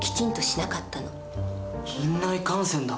院内感染だ。